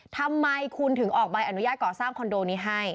ทำไมคุณถึงออกใบอนุญาตก่อสร้างคอนโดนี้ให้